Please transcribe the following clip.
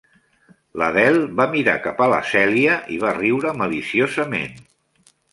L'Adele va mirar cap a la Cèlia i va riure maliciosament.